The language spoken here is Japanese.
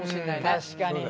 確かにね。